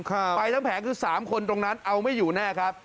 ไปทั้งแผงคือสามคนตรงนั้นเอาไม่อยู่แน่ครับ